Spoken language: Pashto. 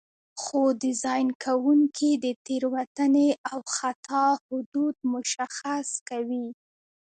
خو ډیزاین کوونکي د تېروتنې او خطا حدود مشخص کوي.